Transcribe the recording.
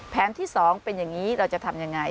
แผนที่สองเป็นอย่างนี้เราจะทำอย่างไร